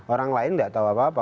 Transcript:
orang lain tidak tahu apa apa